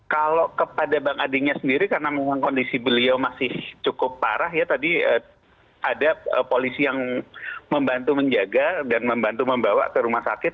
kalau kepada bang adinya sendiri karena memang kondisi beliau masih cukup parah ya tadi ada polisi yang membantu menjaga dan membantu membawa ke rumah sakit